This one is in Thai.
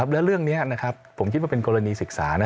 แล้วเรื่องนี้ผมคิดว่าเป็นกรณีศึกษา